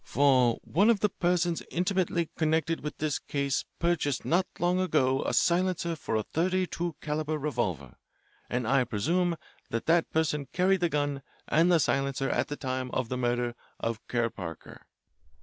For, one of the persons intimately connected with this case purchased not long ago a silencer for a thirty two calibre revolver, and I presume that that person carried the gun and the silencer at the time of the murder of Kerr Parker."